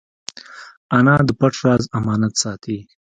انا د پټ راز امانت ساتي